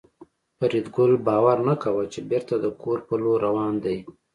فریدګل باور نه کاوه چې بېرته د کور په لور روان دی